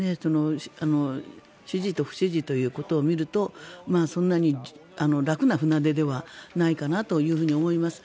支持と不支持ということを見るとそんなに楽な船出ではないかなと思います。